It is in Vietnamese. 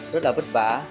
rất là vất vả